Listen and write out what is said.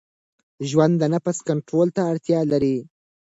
ژوند د نفس کنټرول ته اړتیا لري.